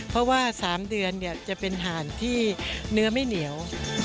เพราะว่า๓เดือนจะเป็นห่านที่เนื้อไม่เหนียว